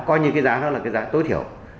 coi như giá đó là giá tối thiểu